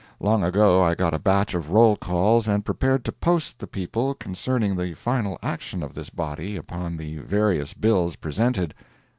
Long ago I got a batch of roll calls and prepared to post the people concerning the final action of this body upon the various bills presented.